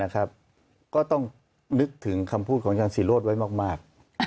ก็ต้องนึกถึงคำพูดของอาจารย์ศิโรธไว้มาก